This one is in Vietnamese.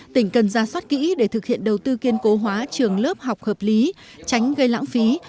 tỉnh cần ra soát kỹ để thực hiện đầu tư kiên cố hóa trường lớp học hợp lý tránh gây lãng phí